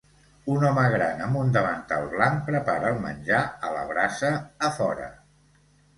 Un home gran amb un davantal blanc prepara el menjar a la brasa a fora.